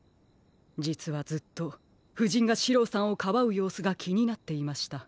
じつはずっとふじんがシローさんをかばうようすがきになっていました。